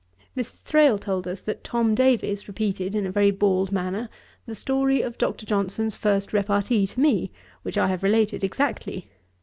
Mrs. Thrale told us, that Tom Davies repeated, in a very bald manner, the story of Dr. Johnson's first repartee to me, which I have related exactly.